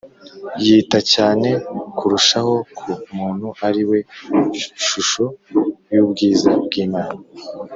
yita cyane kurushaho ku muntu, ari we shusho y’ubwiza bw’imana